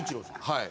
はい。